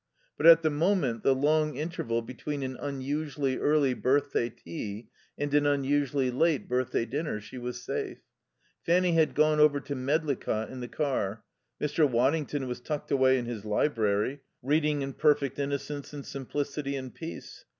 But at the moment, the long interval between an unusually early birthday tea and an unusually late birthday dinner, she was safe. Fanny had gone over to Medlicott in the car. Mr. Waddington was tucked away in his library, reading in perfect innocence and simplicity and peace.